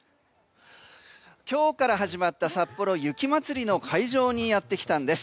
今日から始まったさっぽろ雪まつりの会場にやってきたんです。